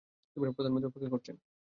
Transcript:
প্রধানমন্ত্রী অপেক্ষা করছেন।